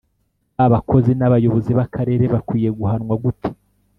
Ba bakozi n’abayobozi b’akarere bakwiye guhanwa gute